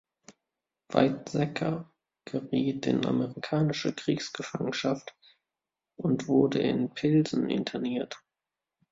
Weizsäcker geriet in amerikanische Kriegsgefangenschaft und wurde in Pilsen interniert.